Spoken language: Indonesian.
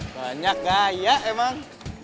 banyak gaya emang